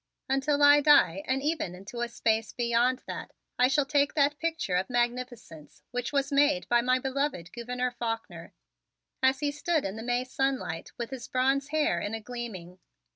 Until I die and even into a space beyond that, I shall take that picture of magnificence which was made by my beloved Gouverneur Faulkner as he stood in the May sunlight with his bronze hair in a gleaming.